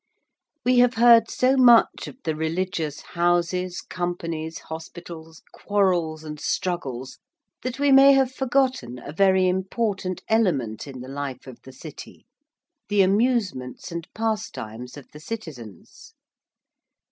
We have heard so much of the religious Houses, Companies, Hospitals, quarrels and struggles that we may have forgotten a very important element in the life of the City the amusements and pastimes of the citizens.